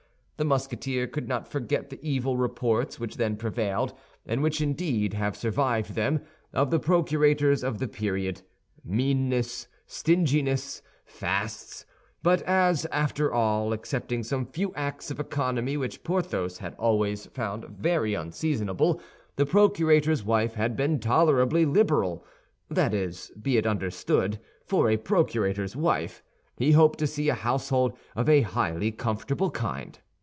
The Musketeer could not forget the evil reports which then prevailed, and which indeed have survived them, of the procurators of the period—meanness, stinginess, fasts; but as, after all, excepting some few acts of economy which Porthos had always found very unseasonable, the procurator's wife had been tolerably liberal—that is, be it understood, for a procurator's wife—he hoped to see a household of a highly comfortable kind.